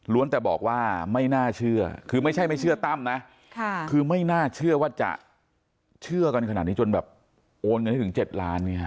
แต่บอกว่าไม่น่าเชื่อคือไม่ใช่ไม่เชื่อตั้มนะคือไม่น่าเชื่อว่าจะเชื่อกันขนาดนี้จนแบบโอนเงินให้ถึง๗ล้าน